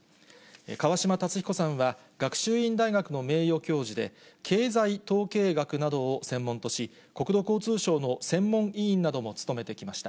川嶋辰彦さんは学習院大学の名誉教授で、経済統計学などを専門とし、国土交通省の専門委員なども務めてきました。